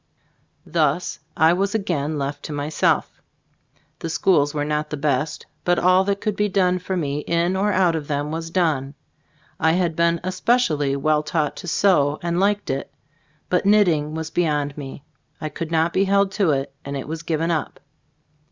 Thus, I was again left to myself. Gbe Storg of toy GMK>boo& 77 The schools were not the best, but all that could be done for me, in or out of them, was done. I had been es pecially well taught to sew and liked it, but knitting was beyond me. I could not be held to it, and it was given up.